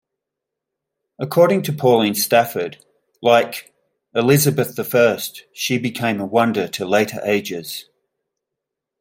According to Pauline Stafford, "like ... ElizabethI she became a wonder to later ages".